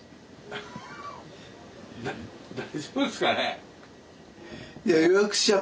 大丈夫ですかねえ？